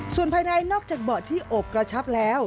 ส่วนภายในนอกจากเบาะที่อบกระชับแล้ว